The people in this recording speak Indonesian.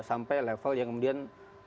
sampai level yang kemudian